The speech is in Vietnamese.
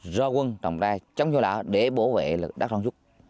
do quân đồng ra trong chú lạ để bảo vệ đất sông chúc